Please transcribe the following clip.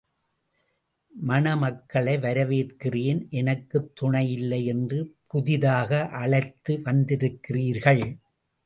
மணமக்களை வரவேற்கிறேன் எனக்குத் துணை இல்லை என்று புதிதாக அழைத்து வந்திருக்கிறீர்கள்.